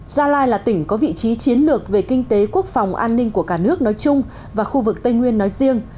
gia lai là tỉnh có vị trí chiến lược về kinh tế quốc phòng an ninh của cả nước nói chung và khu vực tây nguyên nói riêng